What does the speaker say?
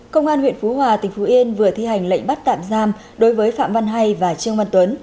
công an huyện phú hòa tỉnh phú yên vừa thi hành lệnh bắt tạm giam đối với phạm văn hay và trương văn tuấn